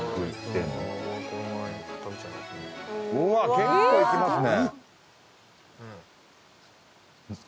結構いきますね。